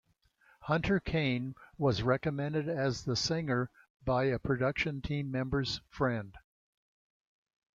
Hunter Kaine was recommended as the singer by a production team member's friend.